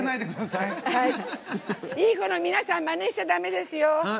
いい子の皆さんまねしちゃだめですよ。